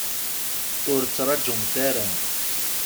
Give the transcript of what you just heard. Ur ttraǧumt ara.